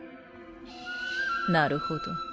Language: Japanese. なるほど。